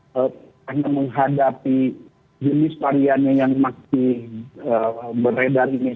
karena menghadapi jenis variannya yang masih beredar ini